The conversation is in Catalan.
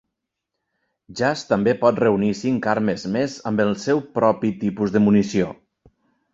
Jazz també pot reunir cinc armes més amb el seu propi tipus de munició.